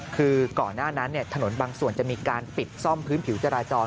คือก่อนหน้านั้นถนนบางส่วนจะมีการปิดซ่อมพื้นผิวจราจร